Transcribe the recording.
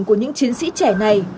của những chiến sĩ trẻ này